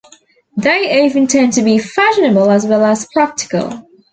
They often tend to be fashionable as well as practical.